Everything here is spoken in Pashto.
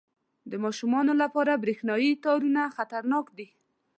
• د ماشومانو لپاره برېښنايي تارونه خطرناک دي.